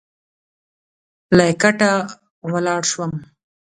له کټه راولاړ شوم.